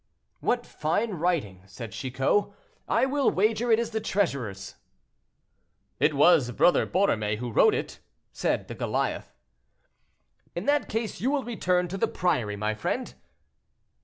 "What fine writing," said Chicot; "I will wager it is the treasurer's." "It was Brother Borromée who wrote it," said the Goliath. "In that case you will return to the priory, my friend."